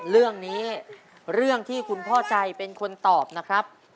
เรื่องนี้เรื่องที่คุณพ่อใจเป็นคนตอบนะครับ